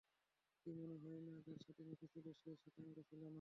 কি মনে হয় না, যার সাথে নেচেছিলে, সে শ্বেতাঙ্গ ছিল না?